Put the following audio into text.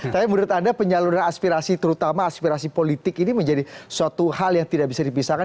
tapi menurut anda penyaluran aspirasi terutama aspirasi politik ini menjadi suatu hal yang tidak bisa dipisahkan